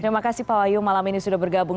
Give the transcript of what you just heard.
terima kasih pak wahyu malam ini sudah bergabung